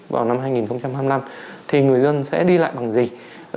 vào năm hai nghìn hai mươi năm thì người dân sẽ đi lại bằng gì